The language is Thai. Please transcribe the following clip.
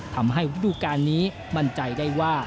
ทำให้ฤดูการนี้มั่นใจได้ว่า